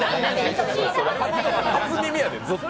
初耳やで、ずっと。